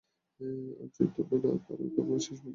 আর যদি তোমরা নাই পার, আমি শেষ পর্যন্ত চেষ্টা করিয়া দেখিব।